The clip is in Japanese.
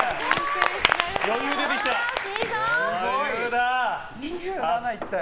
余裕出てきた。